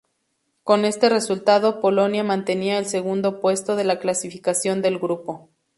Con este resultado, Polonia mantenía el segundo puesto de la clasificación del grupo.